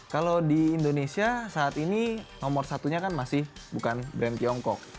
kalau di indonesia saat ini nomor satunya kan masih bukan brand tiongkok